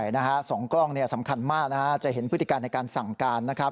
ใช่นะฮะ๒กล้องสำคัญมากนะฮะจะเห็นพฤติการในการสั่งการนะครับ